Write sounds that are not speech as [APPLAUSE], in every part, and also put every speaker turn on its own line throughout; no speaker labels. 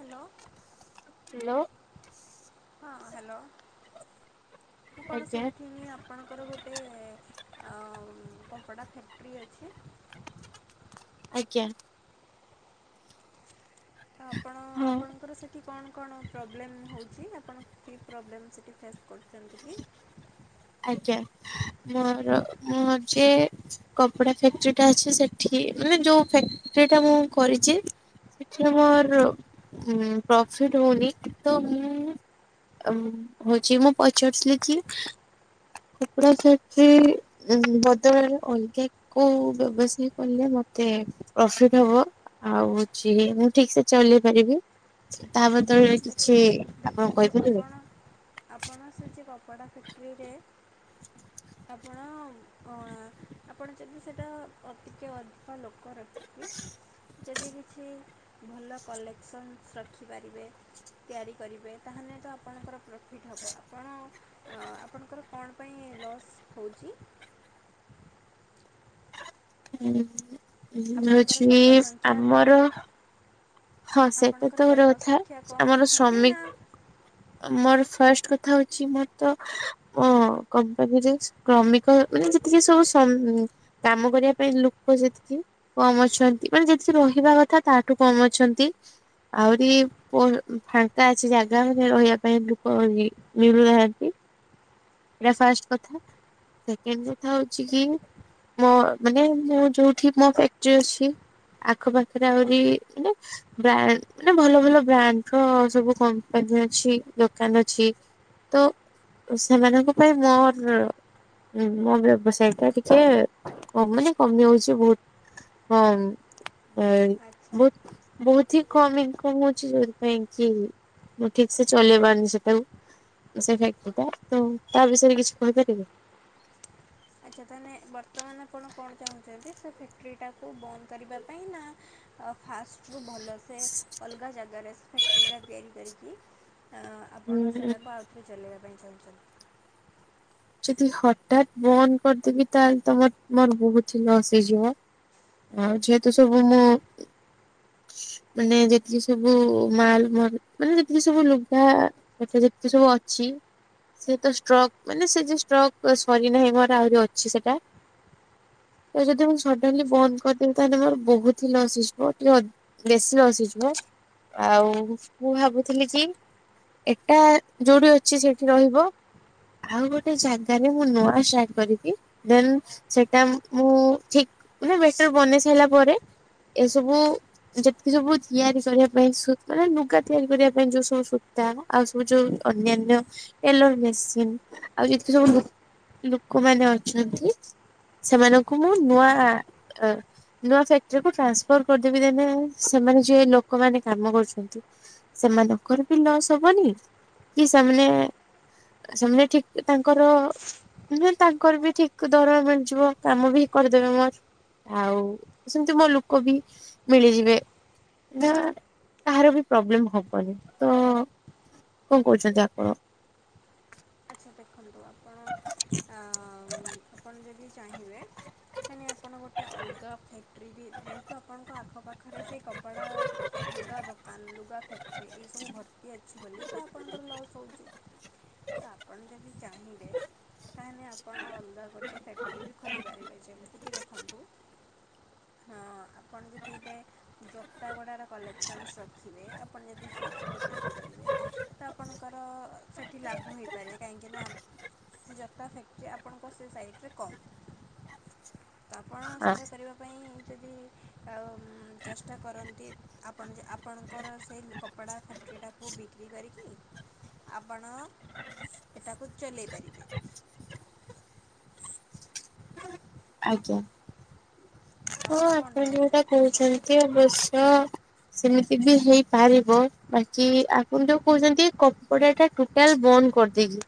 Hello.
Hello.
ହଁ hello ମୁଁ କଣ
ଆଜ୍ଞା
ଶୁଣିଥିନି ଆ ଆପଣଙ୍କର ଗୋଟେ ଅ କପଡ଼ା ଫ୍ୟାକଟ୍ରି ଅଛି।
ଆଜ୍ଞା।
ଆପଣ
ହଁ
ଆପଣଙ୍କର ସେଠି କଣ କଣ ପ୍ରୋବ୍ଲେମ୍ ହଉଚି। ଆପଣ କି ପ୍ରୋବ୍ଲେମ୍ ସେଠି ଫେସ୍ କରୁଚନ୍ତି କି?
ଆଜ୍ଞା ମୋର ମୁଁ ହଉଛି କପଡା ଫ୍ୟାକ୍ଟ୍ରି ଟା ଅଛି ସେଠି ମାନେ ଯୋଉ ଫ୍ୟାକ୍ଟ୍ରି ଟା ମୁଁ କରିଚି ସେଠି ଆମର୍ ଉଁ ପ୍ରଫିଟ୍ ହୋଉନି ତ ମୁଁ ଆମ୍ ହଉଚି ମୁଁ ପଚାରୁଥିଲି କି କପଡ଼ା ଫ୍ୟାକ୍ଟ୍ରି ଉଁ ହୁଁ ବଦଳରେ ଅଲଗା କୋଉ ବ୍ୟବସାୟ କଲେ ମତେ ପ୍ରଫିଟ୍ ହବ? ଆଉ ହୋଉଚି ମୁଁ ଠିକସେ ଚଲେଇ ପାରିବି ସେ ତା ବଦଳରେ କିଛି
ଦେଖ
ଆପଣ
ଦେଖନ୍ତୁ
କହିପାରିବେ?
ଆପଣ ଆପଣ ସେ ଯେ କପଡ଼ା ଫ୍ୟାକ୍ଟ୍ରିରେ ଆପଣ ଅ ଆ ଆପଣ ଯଦି ସେଟା ଅ ଟିକେ ଅଧିକ ଲୋକ ର କି ଯଦି କିଛି ଭଲ କଲେକ୍ସନ୍ସ୍ ରଖିପାରିବେ ତିଆରି କରିବେ ତାହେନେ ତ ଆପଣଙ୍କର ପ୍ରଫିଟ୍ ହବ ଆପଣ ଅ ଆପଣଙ୍କର କଣ୍ ପାଇଁ ଲସ୍ ହୋଉଚି?
ଉଁ ଉଁ
ଆପଣଙ୍କର
ହଉଛି
ଲୋକ ସଂଖ୍ୟା କମ୍
ଆମର ହଁ ସେଇଟା
ଆପଣଙ୍କର
ତ
ଲୋକ
ଓର ଅଥା
ସଂଖ୍ୟା କମ୍
ଆମର
ଅଛନ୍ତି
ଶ୍ରମି
ନା
ଆମର ଫାଷ୍ଟ କଥା ହୋଉଚି ମୋର ତ ମୋ କମ୍ପାନୀ ରିକ୍ସ୍ କ୍ରମିକ ହେ ମାନେ ଯେତିକି ସବୁ ସମ୍ କାମ କରିବା ପାଇଁ ଲୋକ ଯେତକି କମ୍ ଅଛନ୍ତି ମାନେ ଯେତେ ସେ ରହିବା କଥା ତାଠୁ କମ୍ ଅଛ ତି। ଆହୁରି ପର୍ ଫାଙ୍କା ଅଛି ଜାଗା ମାନେ ରହିବା ପାଇଁ ଲୋକ ରି ମିଳୁନାହାନ୍ତି। ଏଟା ଫାଷ୍ଟ କଥା ସେକେଣ୍ଡ କଥା ହୋଉଚି କି ମୋ ମାନେ ମୁଁ ଯୋଉଠି ମୋ ଫ୍ୟାକ୍ଟ୍ରି ଅଛି ଆଖପାଖରେ ଆହୁରି ଇନେ ବ୍ରା ମାନେ ଭଲ ଭଲ ବ୍ରାଣ୍ଡ୍ ର ସବୁ କମ୍ପାନୀ ଅଛି ଦୋକାନ ଅଛି। ତୋ ସେମାନଙ୍କ ପାଇଁ ମୋର୍ ଉଁ ମୋ ବ୍ୟବସାୟଟା ଟିକେ କ ମାନେ କମି ଆଉଚି ବୋ ହଁମ୍ ଏଇ
ଆଚ୍ଛା
ବୋ ବୋହୁତ୍ ହିଁ କମ୍ ଇନକମ୍ ହୋଉଚି ଯୋଉଥିପାଇଁ କି ମୁଁ ଠିକସେ ଚଲେଇପାରୁନି ସେଟାକୁ। ସେ ଫ୍ୟାକ୍ଟ୍ରିଟା ତ ତା ବିଷୟରେ କିଛି କହିପାରିବେ?
ଆଚ୍ଛା ତାହେନେ ବର୍ତ୍ତମାନ ଆପଣ କଣ ଚାହୁଁଚନ୍ତି ସେ ଫ୍ୟାକ୍ଟ୍ରିଟାକୁ ବନ୍ଦ୍ କରିବା ପାଇଁ ନାଁ ଅ ଫାଷ୍ଟରୁୁ ଭଲସେ ଅଲଗା ଜାଗାରେ ସେ ଫ୍ୟାକ୍ଟ୍ରିଟା ତିଆରି କରିକି ଆଁ ଆପଣ ସେଇଟାକୁ ଆଉ ଥରେ ଚଲେଇବା ପାଇଁ ଚାହୁଁଚନ୍ତି।
ଯଦି ହଠାତ୍ ବନ୍ଦ୍ କରଦେବି ତାହେଲେ ତମ ମୋର୍‌ ବୋହୁତ୍ ହି ଲସ୍ ହେଇଯିବ। ଆଉ ଯେହେତୁ ସବୁ ମୋ ମାନେ ଯେତିକି ସବୁ ମାଲ ମଲ୍ ମାନେ ଯେତିକି ସବୁ ଲୁଘା ଏଥେ ଯେତେ ସଉ ଅଛି ସେ ତ ଷ୍ଟ୍ର ମାନେ ସେ ଯେ ଷ୍ଟ୍ରକ୍ ସରିନାହିଁ ମୋର ଆହୁରି ଅଛି ସେଟା। ତ ଯଦି ମୁଁ ସଡନଲି
ଆଚ୍ଛା
ବନ୍ଦ କରିଦେବି ତାହେଲେ ମୋର ବୋହୁତ ହି ଲସ୍ ହେଇଯିବ ଟିଏ ଅ ବେଶୀ ଲସ୍ ହେଇଯିବ ଆଉ ମୁଁ ଭାବୁଥିଲି କି ଏଟା ଯୋଉଠି ଅଛି ସେଇଠି ରହିବ ଆଉ ଗୋ ଟେ ଜାଗାରେ ମୁଁ ନୂଆ ଷ୍ଟାର୍ଟ କରିକି ଦେନ୍ ସେଟା ମୁଁ ଠିକ୍ ମାନେ ବେଟର ବନେଇ ସାଇଲା ପରେ ଏସବୁ ଯେତିକି ସବୁ ତିଆରି କରିବା ପାଇଁ ସୂ ମାନେ ଲୁଗା ତିଆରି କରିବା ପାଇଁ ଯୋଉ ସବୁ ସୂତା ଆଉ ସବୁ ଯୋଉ ଅନ୍ୟାନ୍ୟ ଏଲୋର ମେସିନ୍। ଆଉ ଯେତକି ସଉ ଲୋକମାନେ ଅଛନ୍ତି ସେମାନଙ୍କୁ ମୁଁ ନୂଆ ଅ ନୂଆ ଫ୍ୟାକ୍ଟ୍ରିକୁ ଟ୍ରାନ୍ସଫର କରିଦେବି ଦେ ସେମାନେ ଯିଏ ଲୋକମାନେ କାମ କରୁଚନ୍ତି। ସେମାନଙ୍କର ବି ଲସ୍ ହବନି କି ସେମାନେ ସେମାନେ ଠିକ୍ ତାଙ୍କର ନାଁ ତାଙ୍କର ବି ଠିକ୍ ଦରମା ମିଳିଯିବ କାମ ବି କରିଦେବେ ମୋର। ଆଉ ସେମତି ମୋ ଲୋକ ବି ମିଳିଯିବେ। ନାଁ କାହାର ବି ପ୍ରୋବ୍ଲେମ୍ ହବନି ତ କଣ କହୁଚନ୍ତି ଆପଣ?
ଆଚ୍ଛା ଦେଖନ୍ତୁ ଆପଣ ଆଁ ଆପଣ ଯଦି ଚାହିଁବେ ମାନେ ଆପଣ ଗୋଟେ ଅଲଗା ଫ୍ୟାକ୍ଟ୍ରି ବି ଯେହେତୁ ଆପଣଙ୍କ ଆଖପାଖ ଘରେ ସେ କପଡ଼ା ଲୁଗା ଦୋକାନ ଲୁଗା ଫ୍ୟାକ୍ଟ୍ରି ଏଇସବୁ ଭର୍ତ୍ତି ଅଛି ବୋଲି ତ ଆପଣଙ୍କର ଲସ୍ ହଉଚି। ତ ଆପଣ ଯଦି ଚାହିଁବେ ତାହେଲେ ଆପଣ ଅଲଗା ଗୋଟେ ଫ୍ୟାକ୍ ବି ଖୋଲି ପାରିବେ ଯେମିତି କି ଦେଖନ୍ତୁ। ହଁ ଆପଣ ଯଦି ଏବେ ଜୋତା ଗୁଡ଼ାର କଲେକ୍ସନ୍ ରଖିବେ ଆପଣ ଯଦି ସେ ସବୁ ତିଆରି କରିବେ ତ ଆପଣଙ୍କର ସେଠି ଲାଭ ହୋଇପାରେ କାହିଁକିନା ଜୋତା ଫ୍ୟାକ୍ଟ୍ରି ଆପଣଙ୍କ ସେ ସାଇଟିରେ କମ୍। [UNINTELLIGIBLE] ତ ଆପଣ
ଆ
ସେଇଟା କରିବା ପାଇଁ ଯଦି ଆଉ ଚେଷ୍ଟା କରନ୍ତି ଆପଣ ଯେ ଆପଣଙ୍କର ସେଇ କପଡ଼ା ଫ୍ୟାକ୍ଟ୍ରି ଫ୍ୟାକ୍ଟ୍ରିଟାକୁ ବିକ୍ରି କରିକି ଆପଣ ସେଇଟାକୁ ଚଲେଇ ପାରିବେ।
ଆଜ୍ଞା।
ତ
ହଁ
କ'ଣ
ଆପଣ ଯୋଉଟା
ଚାହୁଁଛନ୍ତି
କହୁଚନ୍ତି ଅବଶ୍ୟ ସେମିତି ବି ହେଇପାରିବ ବାକି ଆପଣ ଯୋଉ କହୁଚନ୍ତି କପଡାଟା ଟୁ ଟୋଟାଲା ବନ୍ଦ କରିଦେଇକି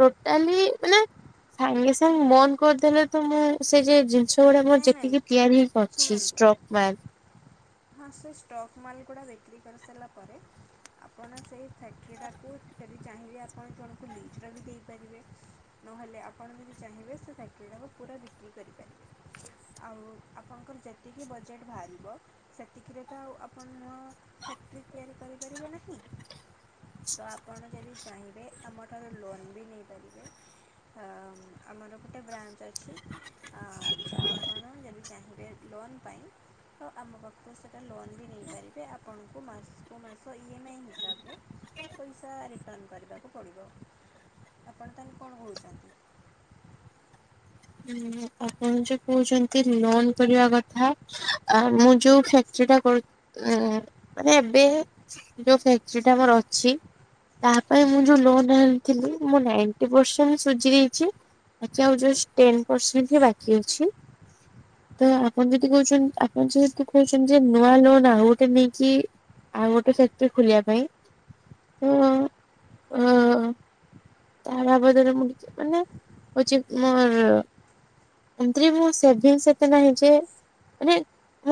ଟୋଟାଲି ମାନେ ସାଙ୍ଗେ ସାଙ୍ଗେ ବନ୍ଦ କରିଦେଲେ ତ ମୁଁ ସେ ଯେ ଜିନିଷ ସେ ଗୁଡାକ ମୋର
ନାଇଁ ନାଇଁ
ଯେତିକି ତିଆରି ହେଇକିଅଛି
ଶୁଣନ୍ତୁ
ଷ୍ଟ୍ରକ୍ ମାଲ।
ହଁ ସେ ଷ୍ଟକ୍ ମାଲ ଗୁଡ଼ା ବିକ୍ରି କରିସାରିଲା ପରେ ଆପଣ ସେଇ ଫ୍ୟାକ୍ଟ୍ରିଟାକୁ ଯଦି ଚାହିଁବେ ଆପଣ ଜଣଙ୍କୁ ଲିଜ୍ ରେ ବି ଦେଇପାରିବେ। ନହେଲେ ଆପଣ ଯଦି ଚାହିଁବେ ସେ ଫ୍ୟାକ୍ଟ୍ରିଟାକୁ ପୁରା ବିକ୍ରି କରିପାରିବେ। ଆଉ ଆପଣଙ୍କର ଯେତିକି ବଜେଟ୍ ବାହାରିବ ସେତିକିରେ ତ ଆଉ ଆପଣ ନୂଆ ଫ୍ୟାକ୍ଟ୍ରି ତିଆରି କରିପାରିବେ ନାହିଁ। ତ ଆପଣ ଯଦି ଚାହିଁବେ ଆମଠାରୁ ଲୋନ୍ ବି ନେଇପାରିବେ। ଅ ଆମର ଗୋଟେ ବ୍ରାଞ୍ଚ ଅଛି ଆ ତ ଆପଣ ଯଦି ଚାହିଁବେ ଲୋନ୍ ପାଇଁ ତ ଆମ ପାଖରୁ ସେଇଟା ଲୋନ୍ ବି ନେଇପାରିବେ ଆପଣଙ୍କୁ ମାସକୁ ମାସ ଇ ଏମ୍ ଆଇ ହିସାବରେ ପଇସା ରିଟର୍ନ କରିବାକୁ ପଡ଼ିବ ଆପଣ ତାହେଲେ କଣ କହୁଚନ୍ତି?
[UNINTELLIGIBLE] ଆପଣ ଯୋଉ କହୁଚନ୍ତି ଲୋନ୍ କରିବା କଥା ମୁଁ ଯୋଉ ଫ୍ୟାକ୍ଟ୍ରିଟା କରୁ ଉ ମାନେ ଏବେ ଯୋଉ ଫ୍ୟାକ୍ଟ୍ରିଟା ମୋର ଅଛି। ତା ପାଇଁ ମୁଁ ଯୋଉ ଲୋନ୍ ଆଣିଥିଲି ମୁଁ ନାଇଣ୍ଟି ପରସେଣ୍ଟ ସୁଝିଦେଇଚି। [UNINTELLIGIBLE] ଟେନ୍ ପରସେଣ୍ଟ ବାକି ଅଛି। ତ ଆପଣ ଯଦି କହୁଚନ୍ତି ଆପଣ ଯଦି କହୁଚନ୍ତି ଯେ ନୂଆ ନୂଆ ଆଉ ଗୋଟେ ନେଇଚି। ଆଉ ଗୋଟେ ସେଠି ଖୋଲିବା ପାଇଁ ଅଁ ଅଁ। ଝାଡା ବାବଦରେ [UNINTELLIGIBLE] ମାନେ ହଉଛି ମୋର। ସେଥିରେ ମୁଁ ସେଭିଂ ସେତେ ନାହିଁ ଯେ ମାନେ,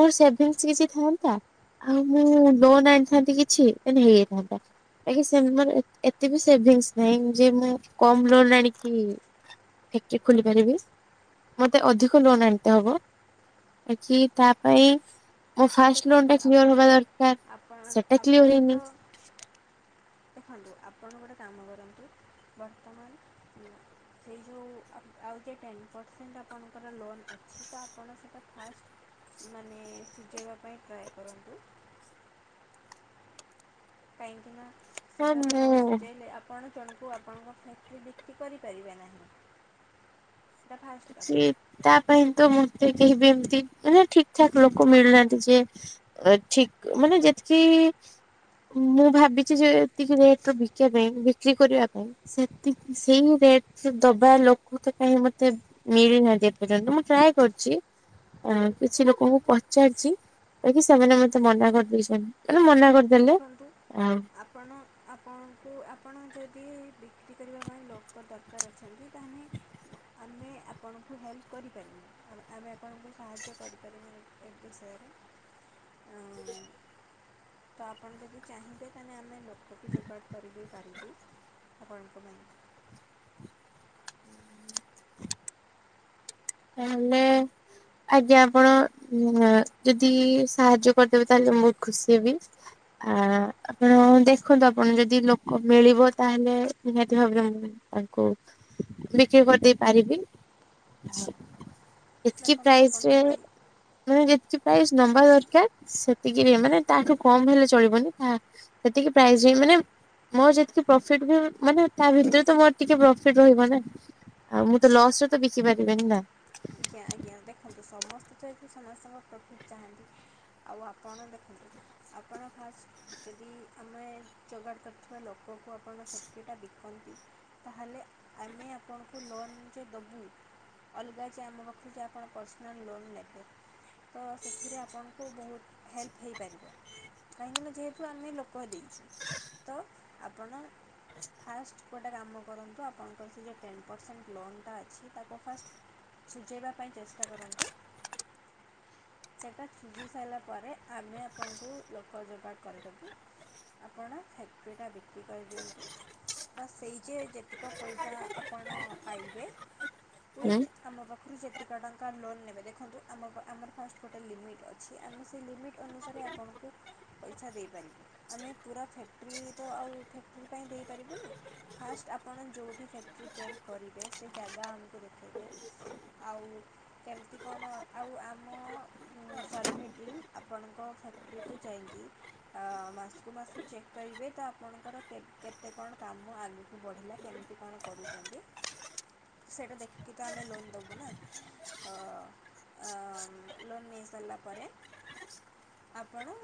ମୋର ସେଭିଙ୍ଗସ୍ କିଛି ଥାଅନ୍ତା ଆଉ ମୁଁ ଲୋନ୍ ଆଣିଥାନ୍ତି କିଛି, ତାହେଲେ ହେଇଯାଇଥାନ୍ତା। ଆ [UNINTELLIGIBLE] ଏତେ ବି ସେଭିଙ୍ଗସ୍ ନାହିଁ। ଯେ ମୁଁ କମ୍ ଲୋନ ଆଣିକି, ଫେକ୍ଟ୍ରି ଖୋଲି ପାରିବି। ମୋତେ ଅଧିକ ଲୋନ୍ ଆଣିିତେ ହବ, ଏ କିି ତା ପାଇଁ ମୋ ଫାଷ୍ଟ ଲୋନ୍
ଦେଖନ୍ତୁ
ଟା କ୍ଲିୟର୍
ଆପଣ
ହବା ଦରକାର।
ଆପଣ
ସେଟା
ଆପଣ
କ୍ଲିୟର୍ ହେଇନି।
ତ ଦେଖନ୍ତୁ ଆପଣ ଗୋଟେ କାମ କରନ୍ତୁ, ବର୍ତ୍ତମାନ ସେଇ ଯୋଉ ଆଉ ଗୋଟେ ଟେନ୍ ପରସେଣ୍ଟ ଆପଣଙ୍କର ଲୋନ୍ ଅଛି ସେଟା ଆପଣ ସେଇଟା ଫାଷ୍ଟ, ମାନେ ଶୁଜେଇବା ପାଇଁ ଟ୍ରାଏ କରନ୍ତୁ। କାହିଁକି ନା,
ହଁ
ସେଠାକୁ ନ
ମୁଁ
ସୁଝେଇଲେ ଆପ୍ ଆପଣ ଜଣଙ୍କୁ ଆପଣଙ୍କ ଫ୍ୟାକ୍ଟ୍ରି ବିକ୍ରି କରିପାରିବେ ନାହିଁ। ସେଇଟା ଫାଷ୍ଟ
ସିଏ
କଥା
ତା ପାଇଁ ତ ମତେ କେହିିବି ଏମତି ମାନେ ଠିକ୍ ଠାକ୍ ଲୋକ ମିଳୁନାହାଁନ୍ତି ଯେ ଠିକ୍ ମାନେ ଯେତିକି, ମୁଁ ଭାବିଚି ଯେ ଏତିକି ରେଟ୍ ବିକିବା ମେନ୍ ବିକ୍ରି କରିବା ପାଇଁ, ସେତିକି ସେଇ ରେଟ୍ ରେ ଦବା ଲୋକ କାଇଁ ମତେ ମତେ ମିଳିନାହାଁନ୍ତି ଏପର୍ଯ୍ୟନ୍ତ, ମୁଁ ଟ୍ରାଏ କରିଚି। ହଁ, କିଛି ଲୋକଙ୍କୁ ପଚାରିଚି, ଯେକି ସେମାନେ ମତେ ମନା କରିଦେଇଚନ୍ତି, [UNINTELLIGIBLE] ମନା କରିଦେ
ଦେଖନ୍ତୁ, ଆପ୍ ଆପଣ, ଆପଣଙ୍କୁ ଆପଣ ଯଦି ବିକ୍ରି କରିବା ପାଇଁ ଲୋକ ଦରକାର ଅଛନ୍ତି, ତା ହେଲେ ଆମେ ଆପଣଙ୍କୁ ହେଲ୍ପ କରିପାରିବୁ। ଆମେ ଆପଣଙ୍କୁ ସାହାଯ୍ୟ କରିପାରିବୁ। [UNINTELLIGIBLE] [UNINTELLIGIBLE] ହଁ।
[UNINTELLIGIBLE]
ତ ଆପଣ ଯଦି ଚାହିଁବେ, ତାହେଲେ ଆମେ ଲୋକବି ଯୋଗାଡ଼ କରିଦେଇ ପାରିବୁ, ଆପଣଙ୍କ ପାଇଁ।
ହେଲେ ଆଜ୍ଞା ଆପଣ ଯଦି ସାହାଯ୍ୟ କରିଦେବେ, ତାହେଲେ ମୁଁ ବହୁତ ଖୁସି ହେବି। ଆ ଆପଣ ଦେଖନ୍ତୁ ଆପଣ ଯଦି ଲୋକ ମିଳିବ, ତାହେଲେ ନିହାତି ଭାବରେ ମୁଁ ତାଙ୍କୁ ବିକ୍ରି କରିଦେଇ ପାରିବି। ଫିପ୍ଟି
ଦେଖନ୍ତୁ
ପ୍ରାଇସ୍
ଆପଣ
ରେ
ଯଦି
ମାନେ ଯେତିକି ପ୍ରାଇସ୍ ନବା ଦରକାର୍, ସେତିକି ବି, ମାନେ ତାଠୁ କମ୍ ହେଲେ ଚଳିବନି, ତାହା ସେତିକି ପ୍ରାଇସ୍ ମାନେ ମୋର ଯେତିକି ପ୍ରଫିଟ୍ ବି, ମାନେ ତା ଭିତରେ ତ ମୋର ଟିକେ ପ୍ରଫିଟ୍ ରହିବ ନା? ଆଉ ମୁଁ ତ ଲସ୍ ରେ ତ ବିକି ପାରିବିନି ନା?
ଆଜ୍ଞା, ଆଜ୍ଞା ଦେଖନ୍ତୁ ସମସ୍ତେ ତ ଏଠି ସମସ୍ତଙ୍କ ପ୍ରଫିଟ୍ ଚାହାଁନ୍ତି। ଆଉ ଆପଣ ଦେଖନ୍ତୁ, ଆପଣ ଫାଷ୍ଟ୍ ଯଦି ଆମେ ଯୋଗାଡ଼ କରିଥିବା ଲୋକଙ୍କୁ ଆପଣ ଫେକ୍ଟ୍ରି ଟା ବିକନ୍ତି ତାହେଲେ ଆମେ ଆପଣଙ୍କୁ ଲୋନ୍ ଯେ ଦବୁ, ଅଲଗା ସେ ଆମ ପାଖରୁ ଯେ ଆପଣ ପର୍ସନାଲ୍ ଲୋନ୍ ନେବେ। ତ ସେଥିରେ ଆପଣଙ୍କୁ ବହୁତ୍ ହେଲ୍ପ ହେଇପାରିବ। କାହିଁକି ନା ଯେହେତୁ ଆମେ ଲୋକ ଦେଇଛି, ତ ଆପଣ ଫାଷ୍ଟ ଗୋଟେ କାମ କରନ୍ତୁ, ଆପଣଙ୍କର ସେ ଯେଉଁ ଟେନ୍ ପରସେଣ୍ଟ ଲୋନ୍ ଟା ଅଛି, ତାକୁ ଫାଷ୍ଟ ସୁଝେଇବା ପାଇଁ ଚେଷ୍ଟା କରନ୍ତୁ। ସେଟା ସୁଝି ସାରିଲା ପରେ, ଆମେ ଆପଣଙ୍କୁ ଲୋକ ଯୋଗାଡ଼ କରିଦେବୁ। ଆପଣ ଫ୍ୟାକ୍ଟ୍ରିଟା ବିିକ୍ରି କରିଦିଅନ୍ତୁ। ତ ସେଇ ଯେ, ଯେତିକ ପଇସା ଆପଣ ପାଇବେ,
ହୁଁ
ଉଇଥ୍ ଆମ ପାଖରୁ ସେତିକ ଟଙ୍କା ଲୋନ ନେବେ, ଦେଖନ୍ତୁ ଆମ ଆମର ଫାଷ୍ଟ ଗୋଟେ ଲିମିଟ୍ ଅଛି। ଆମେ ସେ ଲିମିଟ୍ ଅନୁସାରେ ଆପଣଙ୍କୁ ପଇସା ଦେଇପାରିବୁ ଆମେ ପୁରା ଫ୍ୟାକ୍ଟ୍ରି ତ ଆଉ ଫ୍ୟାକ୍ଟ୍ରି ପାଇଁ ଦେଇପାରିବୁନି ଫାଷ୍ଟ ଆପଣ ଯୋଉଠି ଫ୍ୟାକ୍ଟ୍ରି ତିଆରି କରିବେ ସେ ଜାଗା ଆମକୁ ଦେଖେଇବେ। ଆଉ କେମତି କଣ ଆଉ ଆମ ଅ ଅ ମୁଁ ସର୍ଭେ ଟିମ୍ ଆପଣଙ୍କ ଫ୍ୟାକ୍ଟ୍ରିକୁ ଯାଇଁକି ଅ ଅ ମାସକୁୁ ମାସ ଚେକ୍ କରିବେ ତ ଆପଣଙ୍କର କେତ୍ କେତେ କଣ କାମ ଆଗୁ କୁ ବଢ଼ିଲା କେମତି କଣ କରୁଚନ୍ତି ସେଟା ଦେଖିକି ତ ଆମେ ଲୋନ ଦବୁ ନା ଅ ଅ ଅଁ ମ୍ ଲୋନ୍ ନେଇସାରିଲା ପରେ ଆପଣ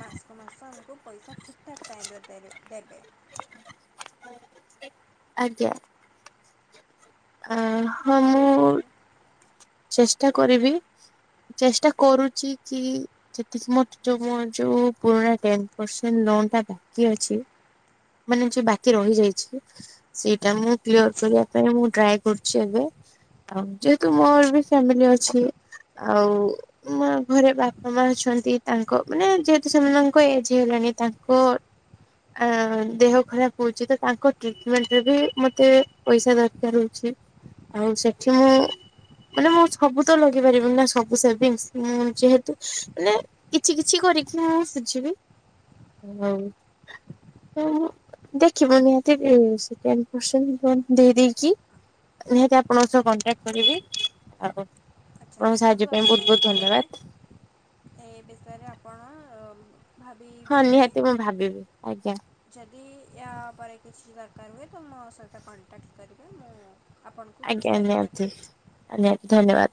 ମାସକୁ ମାସ ଆମକୁ ପଇସା ଠିକ୍ ଠାକ୍ ଟାଇମ୍ ରେ ଦେଇଦେବେ ଦେବେ।
ଆଜ୍ଞା। ଆଁ ହଁ
ଆଉ
ମୁଁ
ଯଦି
ଚେଷ୍ଟା କରିବି ଚେଷ୍ଟା କରୁଚି କି ସେଠି ସ୍ମଟ୍ ଯୋଉ ମୋ ଯୋଉ ପୁରୁଣା ଟେନ୍ ପରସେଣ୍ଟ ଲୋନ୍ ଟା ବାକି ଅଛି ମାନେ ଯୋଉ ବାକି ରହିଯାଇଛି ସେଇଟା ମୁଁ କ୍ଳିଅର କରିବା ପାଇଁ ମୁଁ ଟ୍ରାଏ କରୁଛି ଏବେ ଆଉ ଯେହେତୁ ମୋର ବି ଫ୍ୟାମିଲି ଅଛି ଆଉ ମା ଘରେ ବାପା ମା ଅଛନ୍ତି ତାଙ୍କ ମାନେ ଯେହେତୁ ସେମାନଙ୍କ ଏଜ ହେଇଗଲାଣି ତାଙ୍କ ଆଁ ଦେହ ଖରାପ ହଉଚି ତ ତାଙ୍କ ଟ୍ରିଟମେଣ୍ଟରେ ବି ମତେ ପଇସା ଦରକାର ହଉଛି। ଆଉ ସେଠି ମୁଁ ମାନେ ମୁଁ ସବୁ ତ ଲଗେଇ ପାରିବିନି ନା ସବୁ ସେଭିଙ୍ଗସ୍ ମୁଁ ଯେହେତୁ ମାନେ କିଛି କିଛି କରିକି ଆଁ ଶୁଝିବି। ତ ମୁଁ ଦେଖିବା ନିହାତି ଯେ ସେ ଟେନ୍ ପରସେଣ୍ଟ ଲୋନ୍ ଦେଇ ଦେଇକି।
ଦେଖନ୍ତୁ
ନିହାତି ଆପଣଙ୍କ ସହ କଣ୍ଟାକ୍ଟ କରିବି ଆଉ
ଆଚ୍ଛା
ଆପଣଙ୍କ
ଦେଖନ୍ତୁ
ସାହାଯ୍ୟ ପାଇଁ ବହୁତ ବହୁତ ଧନ୍ୟବାଦ।
ଏଇ ବିଷୟରେ ଆପଣ ଅ ଅ
ହଁ ନିହାତି ମୁଁ ଭାବିବି ଆଜ୍ଞା।
ଯଦି ଏହା ପରେ କିଛି ଦରକାର ହୁଏ ତ ମୋ ସହିତ କଣ୍ଟାକ୍ଟ କରିବେ ମୁଁ ଆପଣଙ୍କୁ କିଛି ହେଲ୍ପ କରିପାରିବି।
ଆନ୍ୟା ଧନ୍ୟବାଦ।